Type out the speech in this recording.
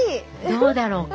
どうだろうか？